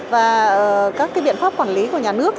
và các biện pháp quản lý của nhà nước